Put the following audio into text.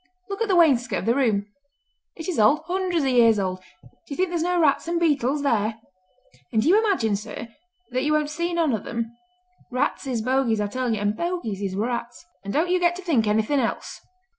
Look at the wainscot of the room! It is old—hundreds of years old! Do you think there's no rats and beetles there! And do you imagine, sir, that you won't see none of them? Rats is bogies, I tell you, and bogies is rats; and don't you get to think anything else!"